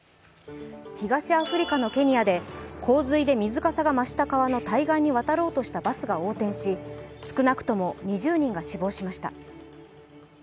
東アフリカのケニアで洪水で水かさを増した川の対岸に渡ろうとしたバスが横転し、少なくとも２０人が死亡しました。